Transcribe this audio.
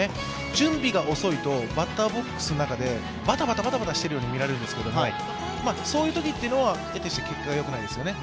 準備が遅いとバッターボックスの中でバタバタしているように見えるんですけど、そういうときは、えてして結果がよくないですよね。